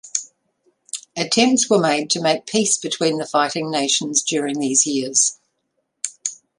Attempts were made to make peace between the fighting nations during these years.